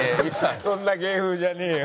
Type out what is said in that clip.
そんな芸風じゃねえよ。